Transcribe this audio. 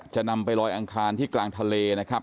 จะนำไปลอยอังคารที่กลางทะเลนะครับ